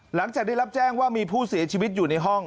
หลังจากได้รับแจ้งว่ามีผู้เสียชีวิตอยู่ในห้อง